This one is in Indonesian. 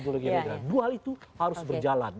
dua hal itu harus berjalan